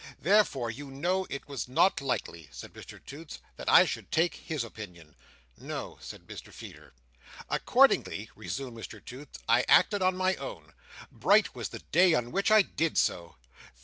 Therefore, you know it was not likely," said Mr Toots, "that I should take his opinion." "No," said Mr Feeder. "Accordingly," resumed Mr Toots, "I acted on my own. Bright was the day on which I did so!